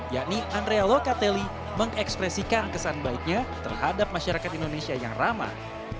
yakni andrea lokateli mengekspresikan kesan baiknya terhadap masyarakat indonesia yang ramah